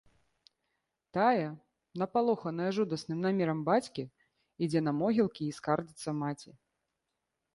Тая, напалоханая жудасным намерам бацькі, ідзе на могілкі і скардзіцца маці.